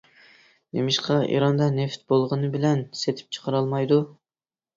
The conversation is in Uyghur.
نېمىشقا؟ ئىراندا نېفىت بولغىنى بىلەن سېتىپ چىقىرالمايدۇ.